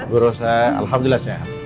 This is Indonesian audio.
bu rosa alhamdulillah sehat